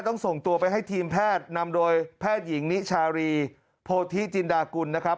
ส่งตัวไปให้ทีมแพทย์นำโดยแพทย์หญิงนิชารีโพธิจินดากุลนะครับ